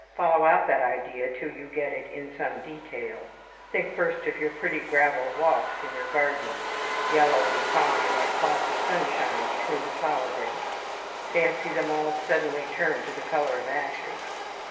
Follow out that idea till you get it in some detail. Think first of your pretty gravel walks in your gardens, yellow and fine, like plots of sunshine between the flower beds; fancy them all suddenly turned to the colour of ashes.